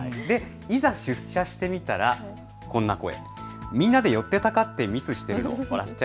いざ出社してみたら、こんな声。